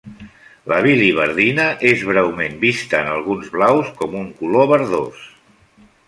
La biliverdina és breument vista en alguns blaus com un color verdós.